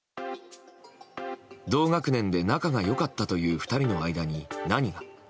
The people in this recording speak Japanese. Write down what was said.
同学年で仲が良かったという２人の間に何が？